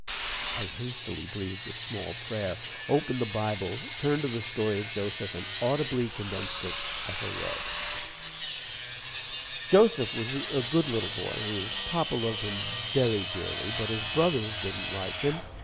I hastily breathed a small prayer, opened the Bible, turned to the story of Joseph, and audibly condensed it as I read: "Joseph was a good little boy whose papa loved him very dearly. But his brothers didn't like him.